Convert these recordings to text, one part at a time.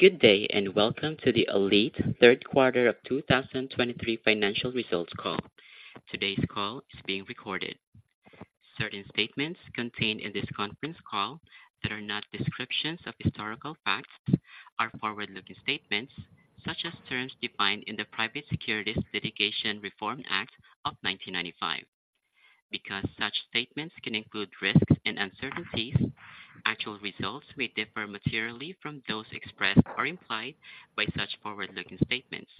Good day, and welcome to the ALLETE Third Quarter of 2023 Financial Results Call. Today's call is being recorded. Certain statements contained in this conference call that are not descriptions of historical facts are forward-looking statements, such as terms defined in the Private Securities Litigation Reform Act of 1995. Because such statements can include risks and uncertainties, actual results may differ materially from those expressed or implied by such forward-looking statements.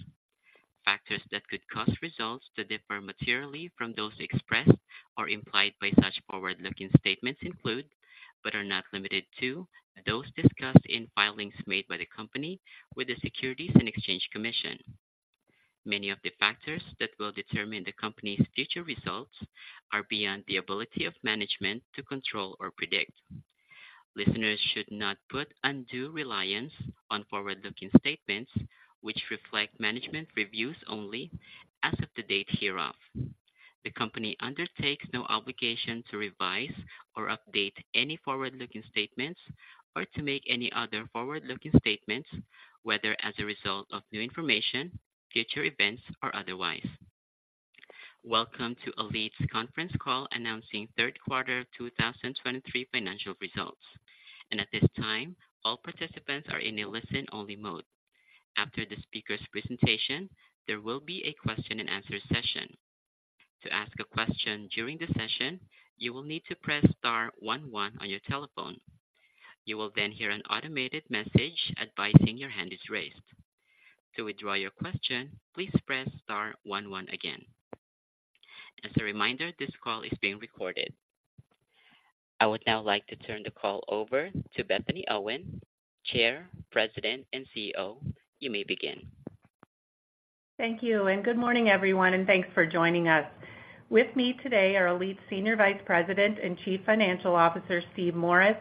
Factors that could cause results to differ materially from those expressed or implied by such forward-looking statements include, but are not limited to, those discussed in filings made by the company with the Securities and Exchange Commission. Many of the factors that will determine the company's future results are beyond the ability of management to control or predict. Listeners should not put undue reliance on forward-looking statements, which reflect management reviews only as of the date hereof. The company undertakes no obligation to revise or update any forward-looking statements or to make any other forward-looking statements, whether as a result of new information, future events, or otherwise. Welcome to ALLETE's conference call announcing third quarter 2023 financial results. At this time, all participants are in a listen-only mode. After the speaker's presentation, there will be a question-and-answer session. To ask a question during the session, you will need to press star one one on your telephone. You will then hear an automated message advising your hand is raised. To withdraw your question, please press star one one again. As a reminder, this call is being recorded. I would now like to turn the call over to Bethany Owen, Chair, President, and CEO. You may begin. Thank you, and good morning, everyone, and thanks for joining us. With me today are ALLETE Senior Vice President and Chief Financial Officer, Steve Morris;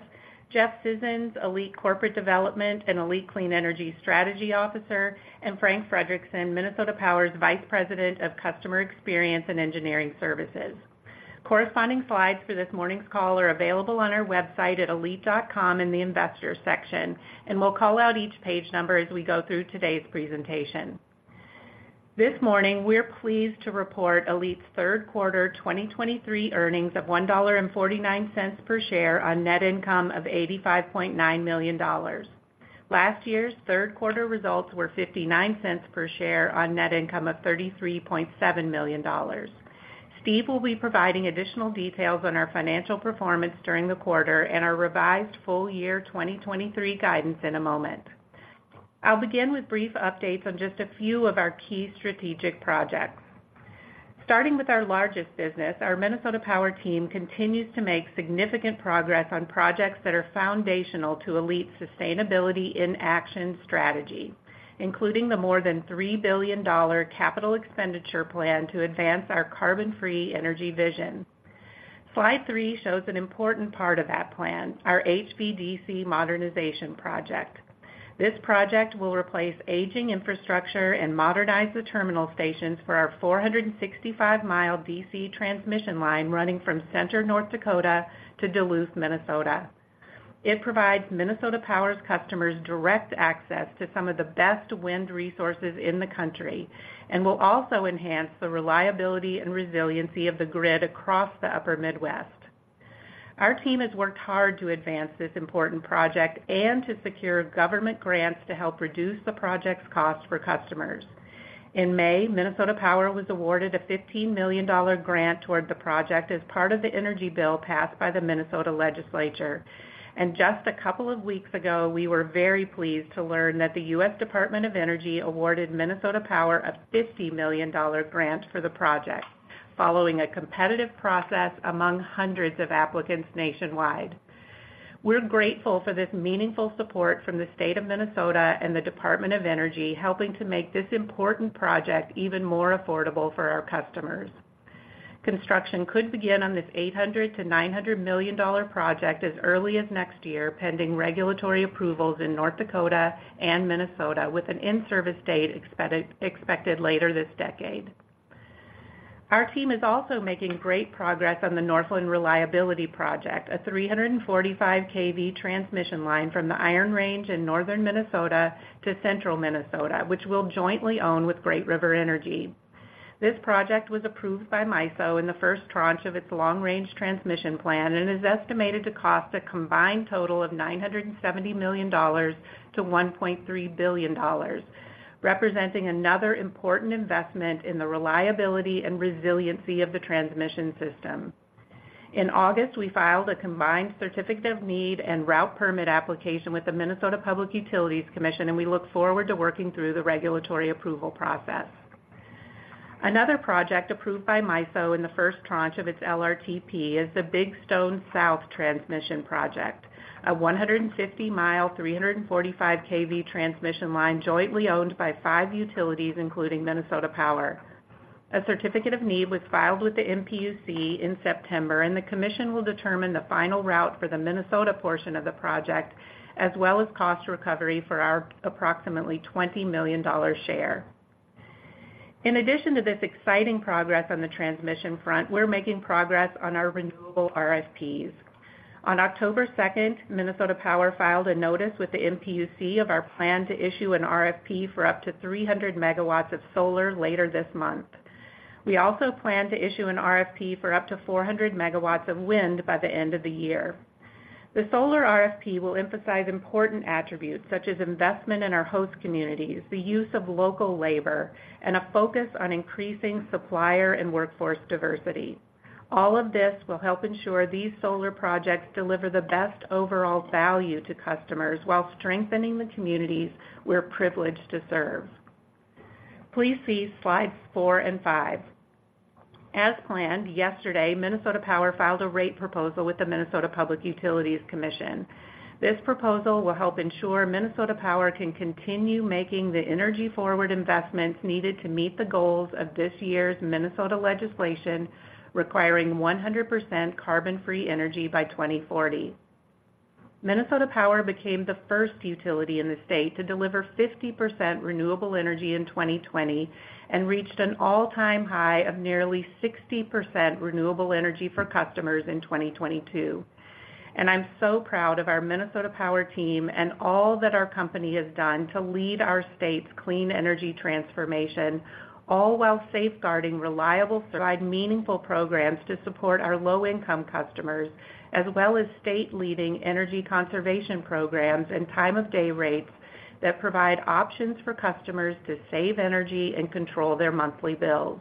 Jeff Scissons, ALLETE Corporate Development and ALLETE Clean Energy Strategy Officer; and Frank Frederickson, Minnesota Power's Vice President of Customer Experience and Engineering Services. Corresponding slides for this morning's call are available on our website at allete.com in the investors section, and we'll call out each page number as we go through today's presentation. This morning, we're pleased to report ALLETE's third quarter 2023 earnings of $1.49 per share on net income of $85.9 million. Last year's third quarter results were $0.59 per share on net income of $33.7 million. Steve will be providing additional details on our financial performance during the quarter and our revised full year 2023 guidance in a moment. I'll begin with brief updates on just a few of our key strategic projects. Starting with our largest business, our Minnesota Power team continues to make significant progress on projects that are foundational to ALLETE's Sustainability in Action strategy, including the more than $3 billion capital expenditure plan to advance our carbon-free energy vision. Slide three shows an important part of that plan, our HVDC Modernization Project. This project will replace aging infrastructure and modernize the terminal stations for our 465-mile DC transmission line running from Center, North Dakota to Duluth, Minnesota. It provides Minnesota Power's customers direct access to some of the best wind resources in the country and will also enhance the reliability and resiliency of the grid across the Upper Midwest. Our team has worked hard to advance this important project and to secure government grants to help reduce the project's cost for customers. In May, Minnesota Power was awarded a $15 million grant toward the project as part of the energy bill passed by the Minnesota Legislature. Just a couple of weeks ago, we were very pleased to learn that the U.S. Department of Energy awarded Minnesota Power a $50 million grant for the project, following a competitive process among hundreds of applicants nationwide. We're grateful for this meaningful support from the state of Minnesota and the Department of Energy, helping to make this important project even more affordable for our customers. Construction could begin on this $800-$900 million project as early as next year, pending regulatory approvals in North Dakota and Minnesota, with an in-service date expected later this decade. Our team is also making great progress on the Northland Reliability Project, a 345 kV transmission line from the Iron Range in northern Minnesota to central Minnesota, which we'll jointly own with Great River Energy. This project was approved by MISO in the first tranche of its long-range transmission plan and is estimated to cost a combined total of $970 million-$1.3 billion, representing another important investment in the reliability and resiliency of the transmission system. In August, we filed a combined Certificate of Need and route permit application with the Minnesota Public Utilities Commission, and we look forward to working through the regulatory approval process. Another project approved by MISO in the first tranche of its LRTP is the Big Stone South Transmission Project, a 150-mile, 345 kV transmission line jointly owned by five utilities, including Minnesota Power. A Certificate of Need was filed with the MPUC in September, and the commission will determine the final route for the Minnesota portion of the project, as well as cost recovery for our approximately $20 million share.... In addition to this exciting progress on the transmission front, we're making progress on our renewable RFPs. On October 2nd, Minnesota Power filed a notice with the MPUC of our plan to issue an RFP for up to 300 MW of solar later this month. We also plan to issue an RFP for up to 400 MW of wind by the end of the year. The solar RFP will emphasize important attributes such as investment in our host communities, the use of local labor, and a focus on increasing supplier and workforce diversity. All of this will help ensure these solar projects deliver the best overall value to customers while strengthening the communities we're privileged to serve. Please see slides four and five. As planned, yesterday, Minnesota Power filed a rate proposal with the Minnesota Public Utilities Commission. This proposal will help ensure Minnesota Power can continue making the EnergyForward investments needed to meet the goals of this year's Minnesota legislation, requiring 100% carbon-free energy by 2040. Minnesota Power became the first utility in the state to deliver 50% renewable energy in 2020 and reached an all-time high of nearly 60% renewable energy for customers in 2022. I'm so proud of our Minnesota Power team and all that our company has done to lead our state's clean energy transformation, all while safeguarding reliable, provide meaningful programs to support our low-income customers, as well as state-leading energy conservation programs and time-of-day rates that provide options for customers to save energy and control their monthly bills.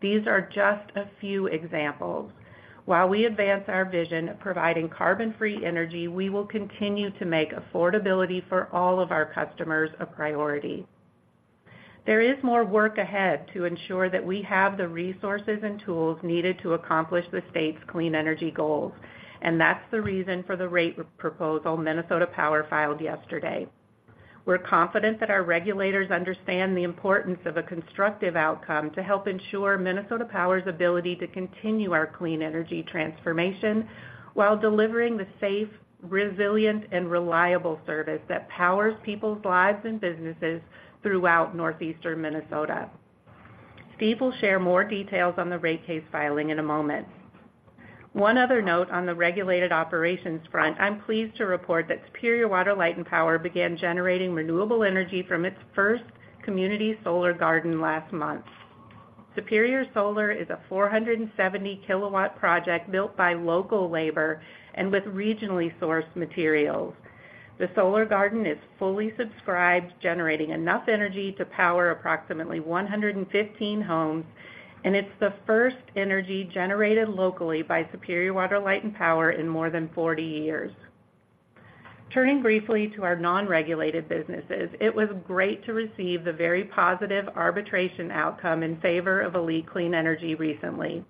These are just a few examples. While we advance our vision of providing carbon-free energy, we will continue to make affordability for all of our customers a priority. There is more work ahead to ensure that we have the resources and tools needed to accomplish the state's clean energy goals, and that's the reason for the rate proposal Minnesota Power filed yesterday. We're confident that our regulators understand the importance of a constructive outcome to help ensure Minnesota Power's ability to continue our clean energy transformation while delivering the safe, resilient, and reliable service that powers people's lives and businesses throughout Northeastern Minnesota. Steve will share more details on the rate case filing in a moment. One other note on the regulated operations front, I'm pleased to report that Superior Water, Light and Power began generating renewable energy from its first community solar garden last month. Superior Solar is a 470-kW project built by local labor and with regionally sourced materials. The solar garden is fully subscribed, generating enough energy to power approximately 115 homes, and it's the first energy generated locally by Superior Water, Light and Power in more than 40 years. Turning briefly to our non-regulated businesses, it was great to receive the very positive arbitration outcome in favor of ALLETE Clean Energy recently.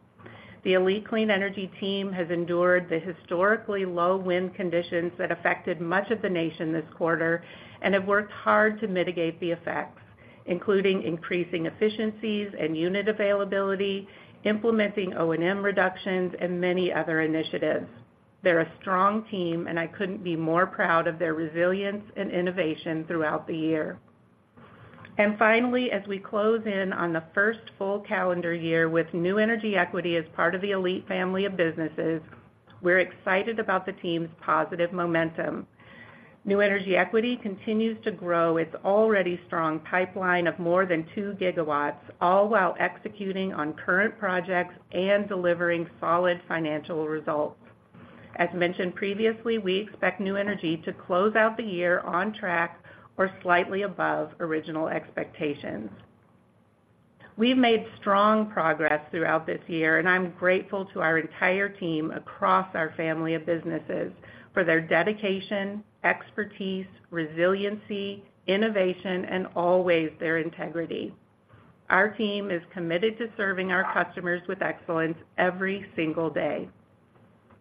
The ALLETE Clean Energy team has endured the historically low wind conditions that affected much of the nation this quarter and have worked hard to mitigate the effects, including increasing efficiencies and unit availability, implementing O&M reductions, and many other initiatives. They're a strong team, and I couldn't be more proud of their resilience and innovation throughout the year. And finally, as we close in on the first full calendar year with New Energy Equity as part of the ALLETE family of businesses, we're excited about the team's positive momentum. New Energy Equity continues to grow its already strong pipeline of more than 2 GW, all while executing on current projects and delivering solid financial results. As mentioned previously, we expect New Energy to close out the year on track or slightly above original expectations. We've made strong progress throughout this year, and I'm grateful to our entire team across our family of businesses for their dedication, expertise, resiliency, innovation, and always their integrity. Our team is committed to serving our customers with excellence every single day.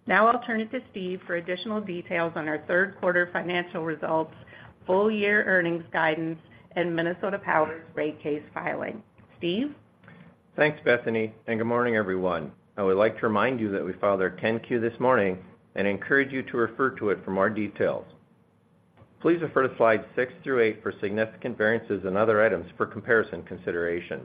Now I'll turn it to Steve for additional details on our third quarter financial results, full year earnings guidance, and Minnesota Power's rate case filing. Steve? Thanks, Bethany, and good morning, everyone. I would like to remind you that we filed our 10-Q this morning and encourage you to refer to it for more details. Please refer to slides six through eight for significant variances and other items for comparison consideration.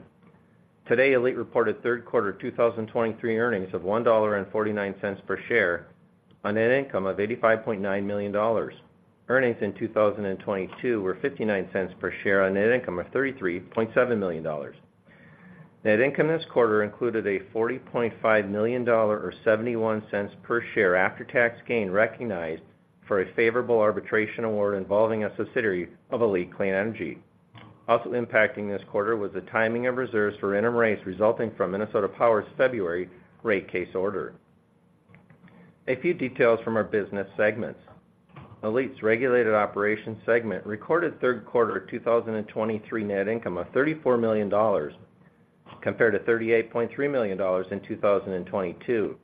Today, ALLETE reported third quarter 2023 earnings of $1.49 per share on net income of $85.9 million. Earnings in 2022 were $0.59 per share on net income of $33.7 million. Net income this quarter included a $40.5 million or $0.71 per share after-tax gain recognized for a favorable arbitration award involving a subsidiary of ALLETE Clean Energy. Also impacting this quarter was the timing of reserves for interim rates resulting from Minnesota Power's February rate case order. A few details from our business segments. ALLETE's Regulated Operations segment recorded third quarter of 2023 net income of $34 million, compared to $38.3 million in 2022.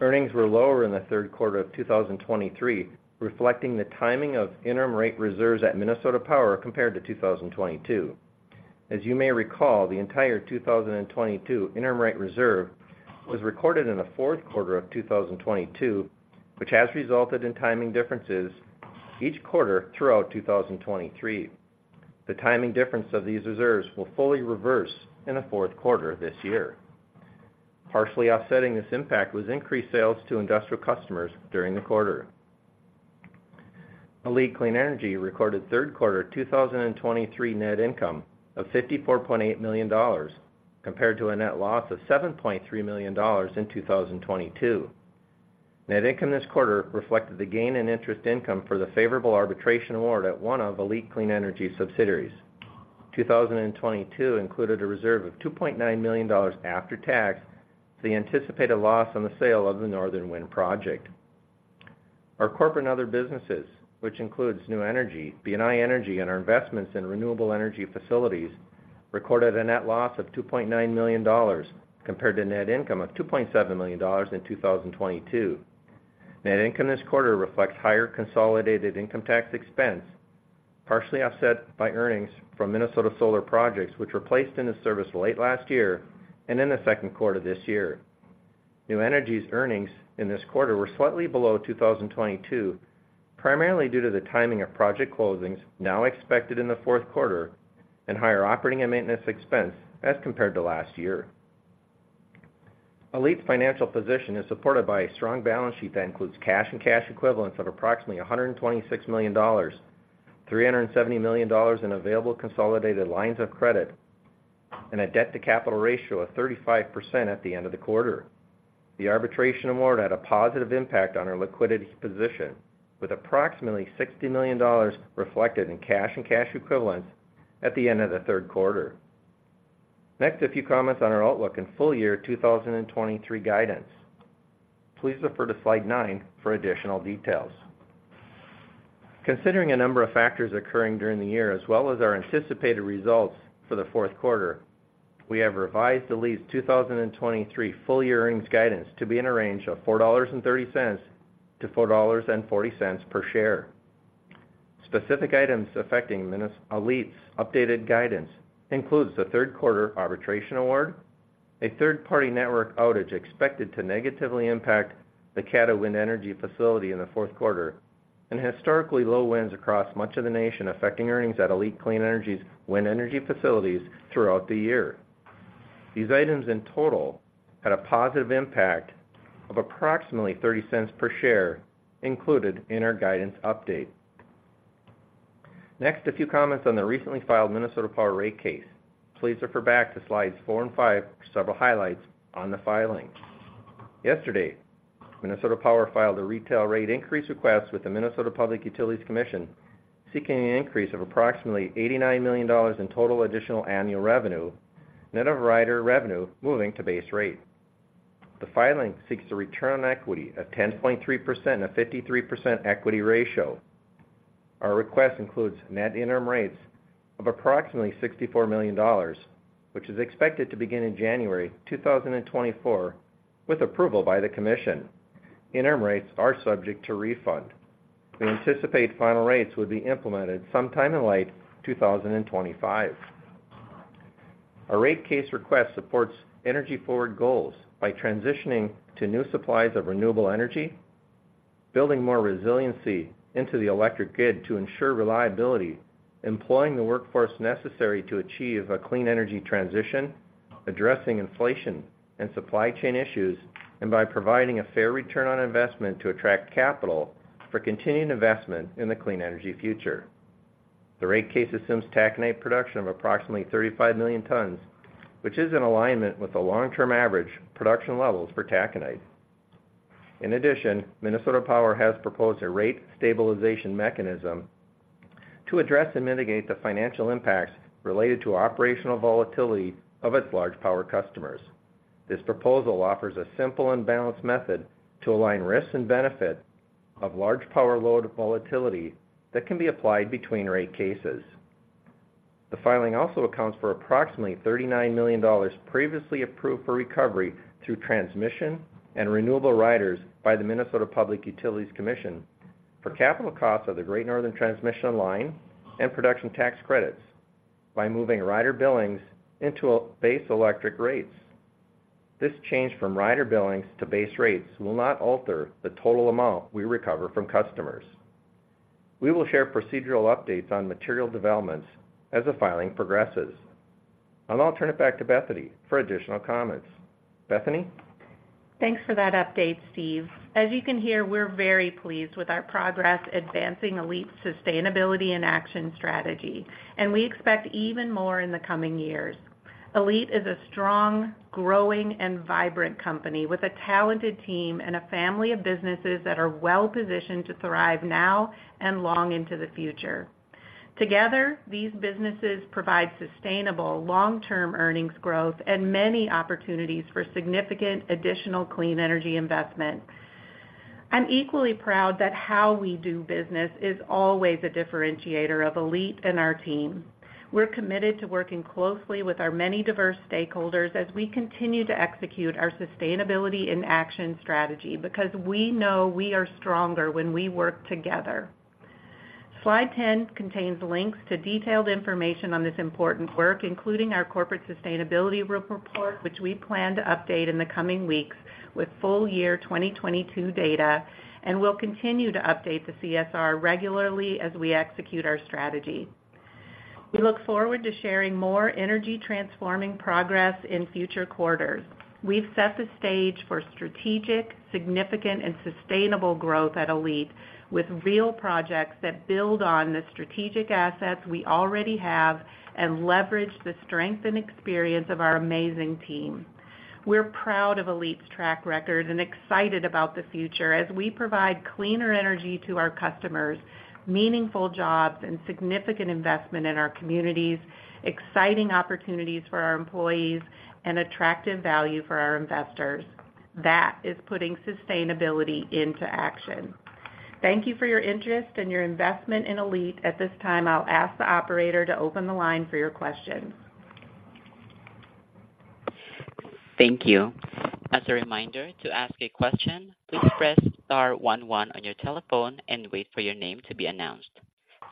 Earnings were lower in the third quarter of 2023, reflecting the timing of interim rate reserves at Minnesota Power compared to 2022. As you may recall, the entire 2022 interim rate reserve was recorded in the fourth quarter of 2022, which has resulted in timing differences each quarter throughout 2023. The timing difference of these reserves will fully reverse in the fourth quarter this year. Partially offsetting this impact was increased sales to industrial customers during the quarter. ALLETE Clean Energy recorded third quarter 2023 net income of $54.8 million, compared to a net loss of $7.3 million in 2022. Net income this quarter reflected the gain in interest income for the favorable arbitration award at one of ALLETE Clean Energy's subsidiaries. 2022 included a reserve of $2.9 million after tax, the anticipated loss on the sale of the Northern Wind project. Our corporate and other businesses, which includes New Energy, BNI Energy, and our investments in renewable energy facilities, recorded a net loss of $2.9 million, compared to net income of $2.7 million in 2022. Net income this quarter reflects higher consolidated income tax expense, partially offset by earnings from Minnesota Solar projects, which were placed into service late last year and in the second quarter this year. New Energy's earnings in this quarter were slightly below 2022, primarily due to the timing of project closings, now expected in the fourth quarter, and higher operating and maintenance expense as compared to last year. ALLETE's financial position is supported by a strong balance sheet that includes cash and cash equivalents of approximately $126 million, $370 million in available consolidated lines of credit, and a debt-to-capital ratio of 35% at the end of the quarter. The arbitration award had a positive impact on our liquidity position, with approximately $60 million reflected in cash and cash equivalents at the end of the third quarter. Next, a few comments on our outlook and full year 2023 guidance. Please refer to slide nine for additional details. Considering a number of factors occurring during the year, as well as our anticipated results for the fourth quarter, we have revised ALLETE's 2023 full-year earnings guidance to be in a range of $4.30-$4.40 per share. Specific items affecting ALLETE's updated guidance includes the third quarter arbitration award, a third-party network outage expected to negatively impact the Caddo Wind Energy facility in the fourth quarter, and historically low winds across much of the nation, affecting earnings at ALLETE Clean Energy's wind energy facilities throughout the year. These items, in total, had a positive impact of approximately $0.30 per share, included in our guidance update. Next, a few comments on the recently filed Minnesota Power rate case. Please refer back to slides four and five for several highlights on the filing. Yesterday, Minnesota Power filed a retail rate increase request with the Minnesota Public Utilities Commission, seeking an increase of approximately $89 million in total additional annual revenue, net of rider revenue, moving to base rate. The filing seeks a return on equity of 10.3% and a 53% equity ratio. Our request includes net interim rates of approximately $64 million, which is expected to begin in January 2024, with approval by the commission. Interim rates are subject to refund. We anticipate final rates will be implemented sometime in late 2025. Our rate case request supports EnergyForward goals by transitioning to new supplies of renewable energy, building more resiliency into the electric grid to ensure reliability, employing the workforce necessary to achieve a clean energy transition, addressing inflation and supply chain issues, and by providing a fair return on investment to attract capital for continuing investment in the clean energy future. The rate case assumes taconite production of approximately 35 million tons, which is in alignment with the long-term average production levels for taconite. In addition, Minnesota Power has proposed a rate stabilization mechanism to address and mitigate the financial impacts related to operational volatility of its large power customers. This proposal offers a simple and balanced method to align risks and benefit of large power load volatility that can be applied between rate cases. The filing also accounts for approximately $39 million previously approved for recovery through transmission and renewable riders by the Minnesota Public Utilities Commission for capital costs of the Great Northern Transmission Line and production tax credits by moving rider billings into base electric rates. This change from rider billings to base rates will not alter the total amount we recover from customers. We will share procedural updates on material developments as the filing progresses. I'll turn it back to Bethany for additional comments. Bethany? Thanks for that update, Steve. As you can hear, we're very pleased with our progress advancing ALLETE's Sustainability in Action strategy, and we expect even more in the coming years. ALLETE is a strong, growing, and vibrant company with a talented team and a family of businesses that are well-positioned to thrive now and long into the future. Together, these businesses provide sustainable, long-term earnings growth and many opportunities for significant additional clean energy investment. I'm equally proud that how we do business is always a differentiator of ALLETE and our team. We're committed to working closely with our many diverse stakeholders as we continue to execute our Sustainability in Action strategy, because we know we are stronger when we work together.... Slide 10 contains links to detailed information on this important work, including our corporate sustainability report, which we plan to update in the coming weeks with full year 2022 data, and we'll continue to update the CSR regularly as we execute our strategy. We look forward to sharing more energy-transforming progress in future quarters. We've set the stage for strategic, significant, and sustainable growth at ALLETE, with real projects that build on the strategic assets we already have and leverage the strength and experience of our amazing team. We're proud of ALLETE's track record and excited about the future as we provide cleaner energy to our customers, meaningful jobs and significant investment in our communities, exciting opportunities for our employees, and attractive value for our investors. That is putting sustainability into action. Thank you for your interest and your investment in ALLETE. At this time, I'll ask the operator to open the line for your questions. Thank you. As a reminder, to ask a question, please press star one one on your telephone and wait for your name to be announced.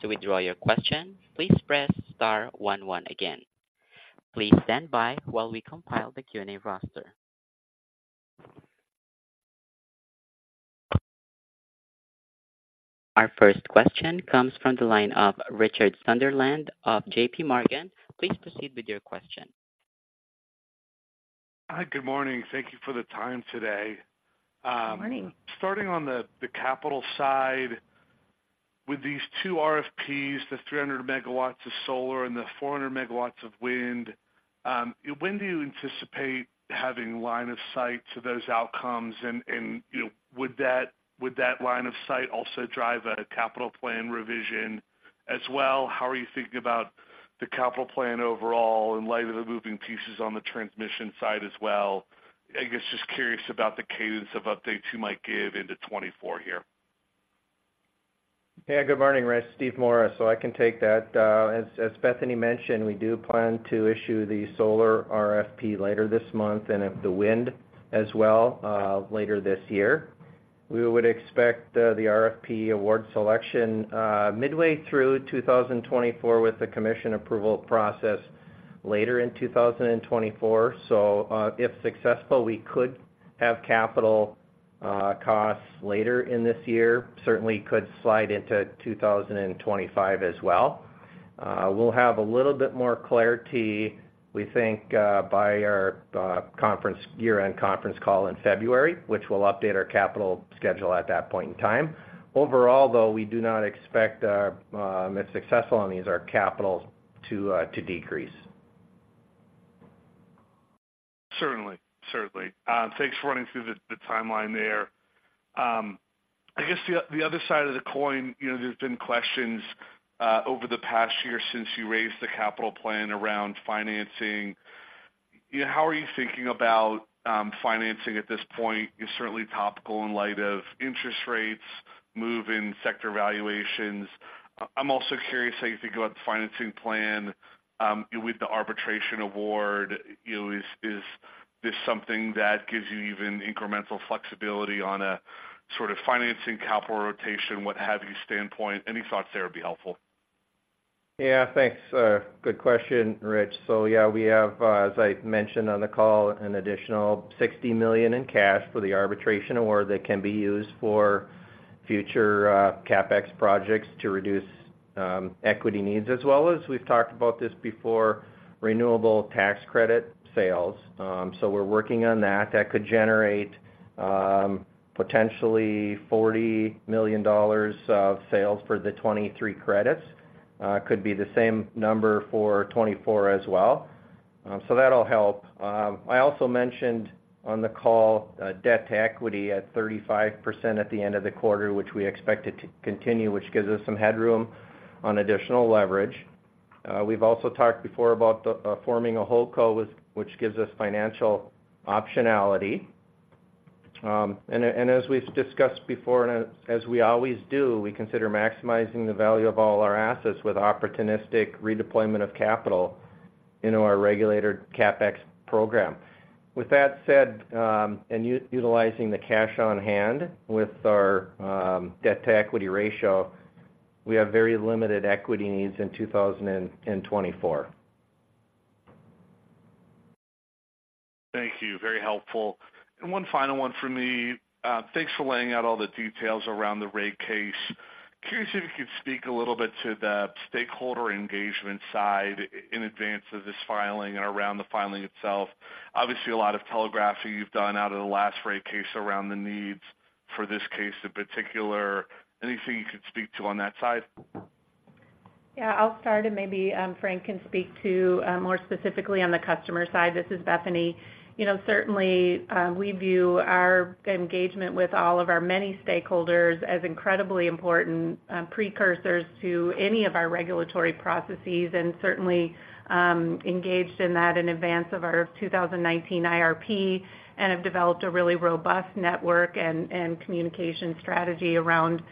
To withdraw your question, please press star one one again. Please stand by while we compile the Q&A roster. Our first question comes from the line of Richard Sunderland of JPMorgan. Please proceed with your question. Hi, good morning. Thank you for the time today. Good morning. Starting on the capital side, with these two RFPs, the 300 MW of solar and the 400 MW of wind, when do you anticipate having line of sight to those outcomes? And, you know, would that line of sight also drive a capital plan revision as well? How are you thinking about the capital plan overall in light of the moving pieces on the transmission side as well? I guess, just curious about the cadence of updates you might give into 2024 here/ Yeah, good morning, Rich. Steve Morris. So I can take that. As Bethany mentioned, we do plan to issue the solar RFP later this month and the wind as well, later this year. We would expect the RFP award selection midway through 2024, with the commission approval process later in 2024. So, if successful, we could have capital costs later in this year, certainly could slide into 2025 as well. We'll have a little bit more clarity, we think, by our year-end conference call in February, which we'll update our capital schedule at that point in time. Overall, though, we do not expect our, if successful on these, our capital to decrease. Certainly. Certainly. Thanks for running through the, the timeline there. I guess the, the other side of the coin, you know, there's been questions over the past year since you raised the capital plan around financing. How are you thinking about financing at this point? It's certainly topical in light of interest rates, move in sector valuations. I'm also curious how you think about the financing plan with the arbitration award. You know, is, is this something that gives you even incremental flexibility on a sort of financing capital rotation, what have you, standpoint? Any thoughts there would be helpful. Yeah, thanks. Good question, Rich. So yeah, we have, as I mentioned on the call, an additional $60 million in cash for the arbitration award that can be used for future, CapEx projects to reduce, equity needs, as well as we've talked about this before, renewable tax credit sales. So we're working on that. That could generate, potentially $40 million of sales for the 2023 credits. Could be the same number for 2024 as well. So that'll help. I also mentioned on the call, debt to equity at 35% at the end of the quarter, which we expect it to continue, which gives us some headroom on additional leverage. We've also talked before about the, forming a holdco, which gives us financial optionality. And as we've discussed before, and as we always do, we consider maximizing the value of all our assets with opportunistic redeployment of capital into our regulated CapEx program. With that said, utilizing the cash on hand with our debt to equity ratio, we have very limited equity needs in 2024. Thank you. Very helpful. And one final one for me. Thanks for laying out all the details around the rate case. Curious if you could speak a little bit to the stakeholder engagement side in advance of this filing and around the filing itself. Obviously, a lot of telegraphing you've done out of the last rate case around the needs for this case in particular. Anything you could speak to on that side? Yeah, I'll start, and maybe Frank can speak to more specifically on the customer side. This is Bethany. You know, certainly we view our engagement with all of our many stakeholders as incredibly important precursors to any of our regulatory processes, and certainly engaged in that in advance of our 2019 IRP, and have developed a really robust network and communication strategy around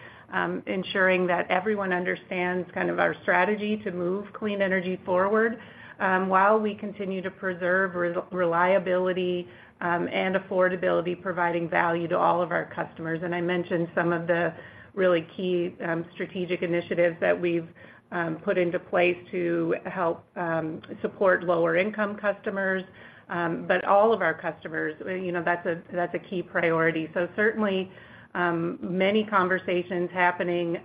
ensuring that everyone understands kind of our strategy to move clean energy forward, while we continue to preserve reliability, and affordability, providing value to all of our customers. And I mentioned some of the really key strategic initiatives that we've put into place to help support lower-income customers. But all of our customers, you know, that's a key priority. So certainly, many conversations happening,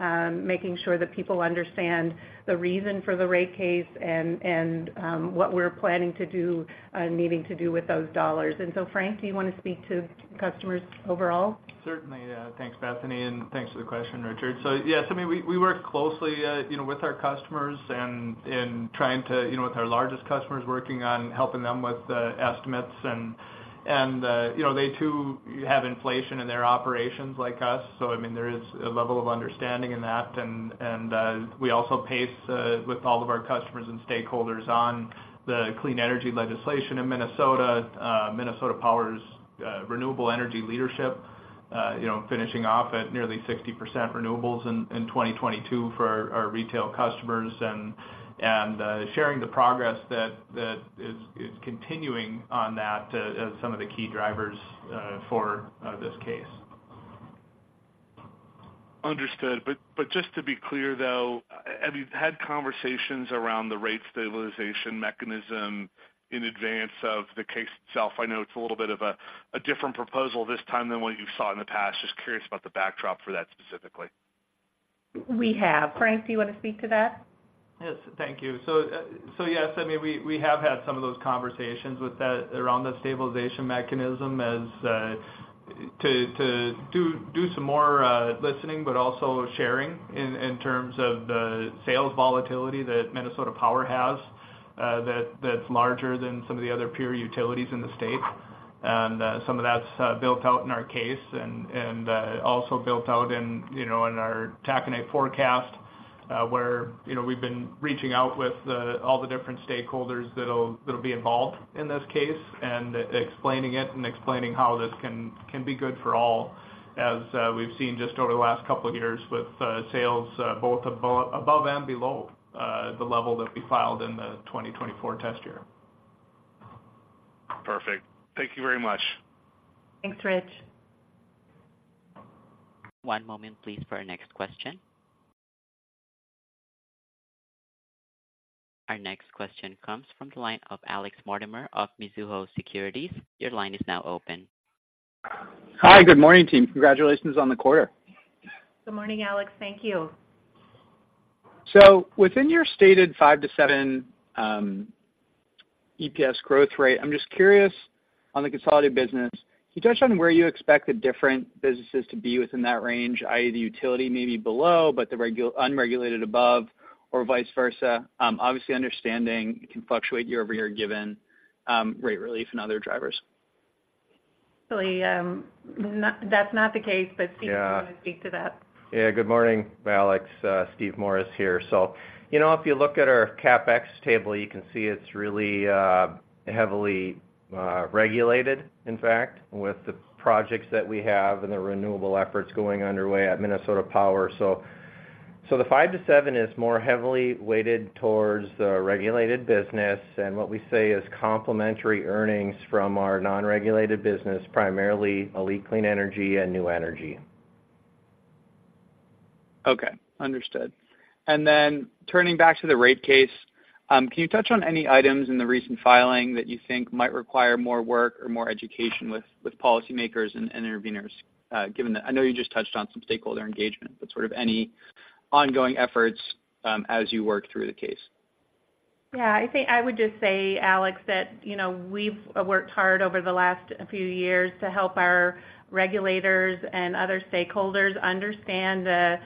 making sure that people understand the reason for the rate case and what we're planning to do and needing to do with those dollars. And so Frank, do you want to speak to customers overall? Certainly, yeah. Thanks, Bethany, and thanks for the question, Richard. So yes, I mean, we work closely, you know, with our customers and in trying to, you know, with our largest customers, working on helping them with the estimates and, you know, they too have inflation in their operations like us. So I mean, there is a level of understanding in that. And we also pace with all of our customers and stakeholders on the clean energy legislation in Minnesota, Minnesota Power's renewable energy leadership, you know, finishing off at nearly 60% renewables in 2022 for our retail customers, and sharing the progress that is continuing on that as some of the key drivers for this case. Understood. But just to be clear, though, have you had conversations around the rate stabilization mechanism in advance of the case itself? I know it's a little bit of a different proposal this time than what you saw in the past. Just curious about the backdrop for that specifically. We have. Frank, do you want to speak to that? Yes, thank you. So, yes, I mean, we have had some of those conversations with that around the stabilization mechanism as to do some more listening, but also sharing in terms of the sales volatility that Minnesota Power has, that's larger than some of the other peer utilities in the state. And, some of that's built out in our case and, and, also built out in, you know, in our Taconite forecast, where, you know, we've been reaching out with the all the different stakeholders that'll be involved in this case, and explaining it and explaining how this can be good for all, as we've seen just over the last couple of years with sales both above and below the level that we filed in the 2024 test year. Perfect. Thank you very much. Thanks, Rich. One moment, please, for our next question. Our next question comes from the line of Alex Mortimer of Mizuho Securities. Your line is now open. Hi, good morning, team. Congratulations on the quarter. Good morning, Alex. Thank you. So within your stated 5%-7% EPS growth rate, I'm just curious on the consolidated business, can you touch on where you expect the different businesses to be within that range? i.e., the utility may be below, but the regul- unregulated above, or vice versa. Obviously understanding it can fluctuate year-over-year, given, rate relief and other drivers. That's not the case, but Steve, do you want to speak to that? Yeah. Good morning, Alex. Steve Morris here. So, you know, if you look at our CapEx table, you can see it's really heavily regulated, in fact, with the projects that we have and the renewable efforts going underway at Minnesota Power. So, so the 5%-7% is more heavily weighted towards the regulated business and what we say is complementary earnings from our non-regulated business, primarily ALLETE Clean Energy and New Energy. Okay, understood. And then turning back to the rate case, can you touch on any items in the recent filing that you think might require more work or more education with, with policymakers and, and interveners? Given that I know you just touched on some stakeholder engagement, but sort of any ongoing efforts, as you work through the case? Yeah, I think I would just say, Alex, that, you know, we've worked hard over the last few years to help our regulators and other stakeholders understand the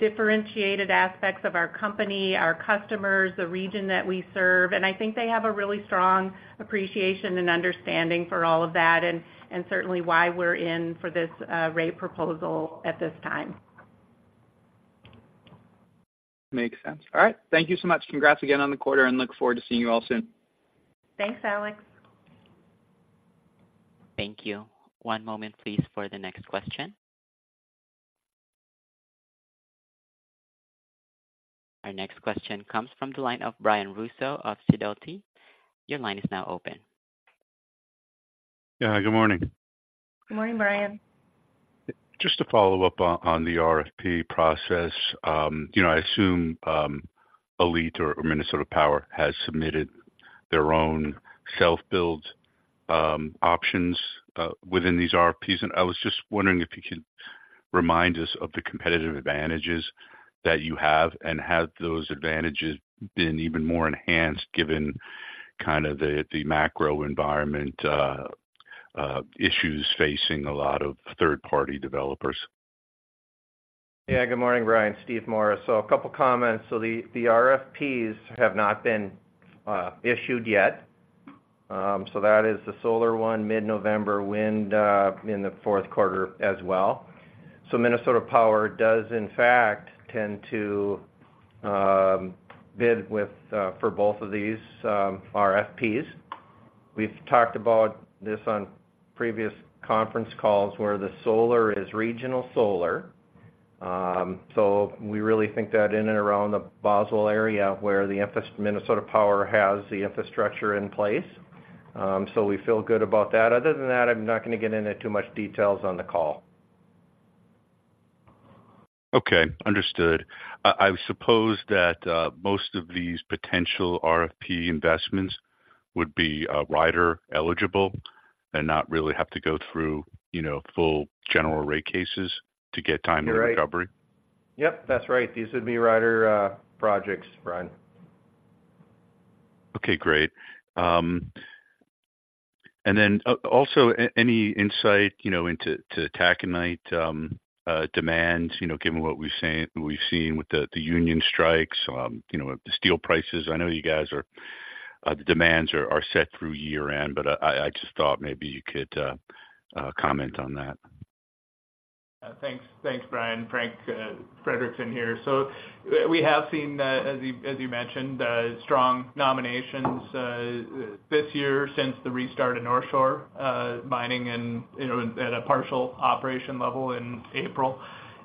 differentiated aspects of our company, our customers, the region that we serve. And I think they have a really strong appreciation and understanding for all of that, and certainly why we're in for this rate proposal at this time. Makes sense. All right. Thank you so much. Congrats again on the quarter, and look forward to seeing you all soon. Thanks, Alex. Thank you. One moment, please, for the next question. Our next question comes from the line of Brian Russo of Sidoti. Your line is now open. Yeah, good morning. Good morning, Brian. Just to follow up on the RFP process. You know, I assume ALLETE or Minnesota Power has submitted their own self-build options within these RFPs. I was just wondering if you could remind us of the competitive advantages that you have, and have those advantages been even more enhanced given kind of the macro environment issues facing a lot of third-party developers? Yeah, good morning, Brian, Steve Morris. So a couple of comments. So the RFPs have not been issued yet. So that is the solar one, mid-November, wind in the fourth quarter as well. So Minnesota Power does, in fact, tend to bid with for both of these RFPs. We've talked about this on previous conference calls, where the solar is regional solar. So we really think that in and around the Boswell area, where Minnesota Power has the infrastructure in place. So we feel good about that. Other than that, I'm not going to get into too much details on the call. Okay, understood. I suppose that most of these potential RFP investments would be rider-eligible and not really have to go through, you know, full general rate cases to get timely recovery. You're right. Yep, that's right. These would be rider projects, Brian. Okay, great. And then, also, any insight, you know, into taconite demands, you know, given what we've seen with the union strikes, you know, the steel prices. I know you guys are, the demands are set through year end, but I just thought maybe you could comment on that? Thanks. Thanks, Brian. Frank Frederickson here. So we have seen, as you mentioned, strong nominations this year since the restart of Northshore Mining and, you know, at a partial operation level in April.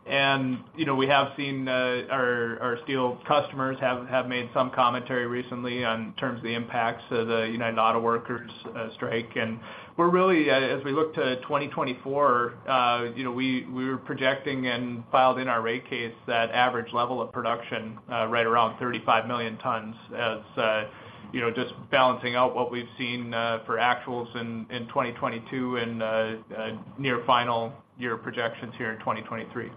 And, you know, we have seen our steel customers have made some commentary recently in terms of the impacts of the United Auto Workers strike. And we're really, as we look to 2024, you know, we are projecting and filed in our rate case, that average level of production right around 35 million tons as, you know, just balancing out what we've seen for actuals in 2022 and near final year projections here in 2023.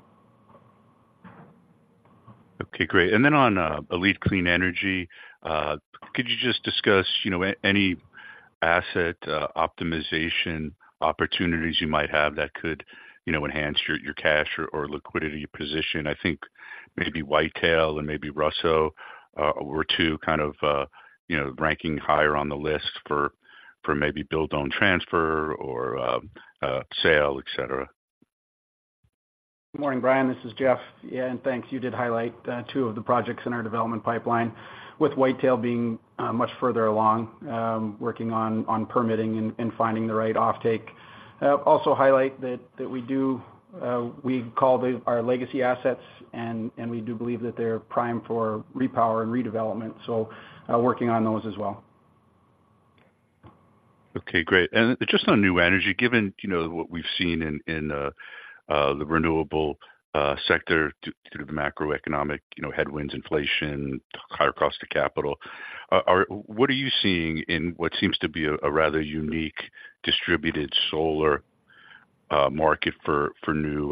Okay, great. And then on ALLETE Clean Energy, could you just discuss, you know, any asset optimization opportunities you might have that could, you know, enhance your cash or liquidity position? I think maybe Whitetail and maybe Russo were two kind of, you know, ranking higher on the list for maybe build-own-transfer or sale, et cetera? Good morning, Brian. This is Jeff. Yeah, and thanks. You did highlight two of the projects in our development pipeline, with Whitetail being much further along, working on permitting and finding the right offtake. Also highlight that we do we call our legacy assets, and we do believe that they're prime for repower and redevelopment, so working on those as well. Okay, great. And just on New Energy, given, you know, what we've seen in the renewable sector through the macroeconomic, you know, headwinds, inflation, higher cost of capital. What are you seeing in what seems to be a rather unique distributed solar market for New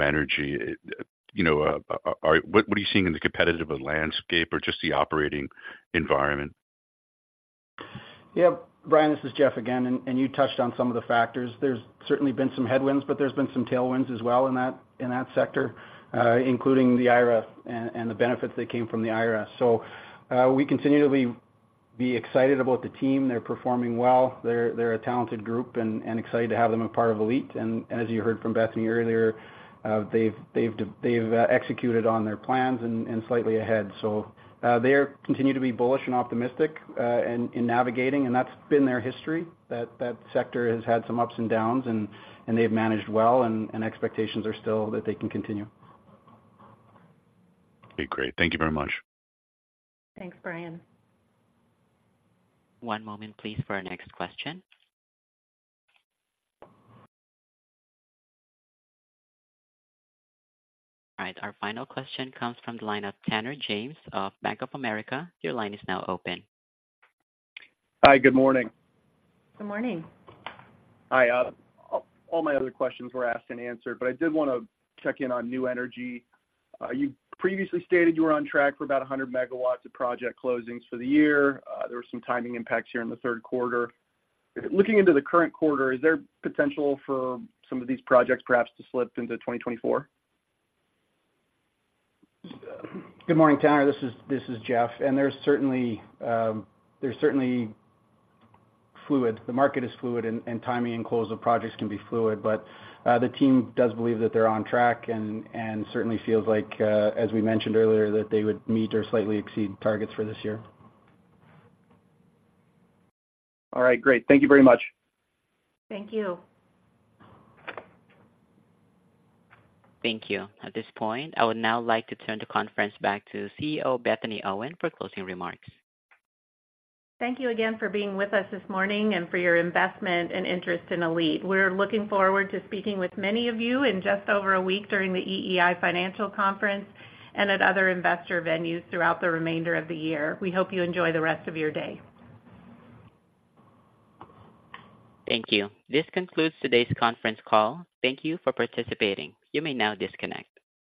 Energy? You know, what are you seeing in the competitive landscape or just the operating environment? Yeah. Brian, this is Jeff again, and you touched on some of the factors. There's certainly been some headwinds, but there's been some tailwinds as well in that sector, including the IRA and the benefits that came from the IRA. So, we continue to be excited about the team. They're performing well. They're a talented group and excited to have them a part of ALLETE. And as you heard from Bethany earlier, they've executed on their plans and slightly ahead. So, they continue to be bullish and optimistic in navigating, and that's been their history. That sector has had some ups and downs, and they've managed well, and expectations are still that they can continue. Okay, great. Thank you very much. Thanks, Brian. One moment, please, for our next question. All right, our final question comes from the line of Tanner James of Bank of America. Your line is now open. Hi, good morning. Good morning. Hi. All my other questions were asked and answered, but I did want to check in on New Energy. You previously stated you were on track for about 100 MW of project closings for the year. There were some timing impacts here in the third quarter. Looking into the current quarter, is there potential for some of these projects perhaps to slip into 2024? Good morning, Tanner. This is Jeff, and there's certainly fluidity. The market is fluid, and timing and close of projects can be fluid. But the team does believe that they're on track and certainly feels like, as we mentioned earlier, that they would meet or slightly exceed targets for this year. All right, great. Thank you very much. Thank you. Thank you. At this point, I would now like to turn the conference back to CEO, Bethany Owen, for closing remarks. Thank you again for being with us this morning and for your investment and interest in ALLETE. We're looking forward to speaking with many of you in just over a week during the EEI Financial Conference and at other investor venues throughout the remainder of the year. We hope you enjoy the rest of your day. Thank you. This concludes today's conference call. Thank you for participating. You may now disconnect.